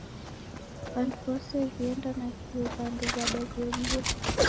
W'andu w'ose w'ienda nakio W'andu w'adaw'iobua.